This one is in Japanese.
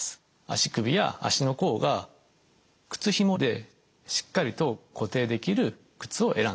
足首や足の甲が靴ひもでしっかりと固定できる靴を選んでください。